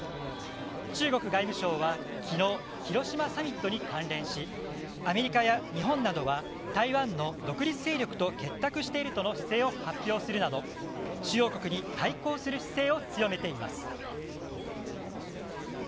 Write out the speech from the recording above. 中国外務省は昨日、広島サミットに関連しアメリカや日本などは台湾の独立勢力と結託しているとの姿勢を発表するなど中央国に対抗する姿勢を強めています。